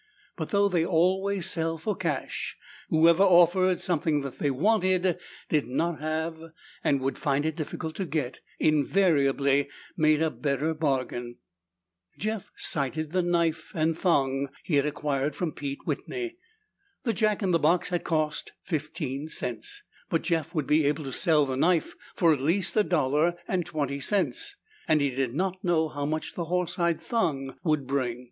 But though they'd always sell for cash, whoever offered something that they wanted, did not have and would find it difficult to get, invariably made a better bargain. Jeff cited the knife and thong he had acquired from Pete Whitney. The jack in the box had cost fifteen cents, but Jeff would be able to sell the knife for at least a dollar and twenty cents, and he did not know how much the horsehide thong would bring.